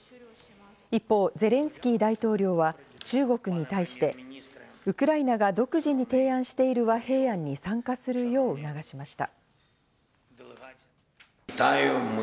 一方、ゼレンスキー大統領は中国に対して、ウクライナが独自に提案している和平案に参加するよう促しました。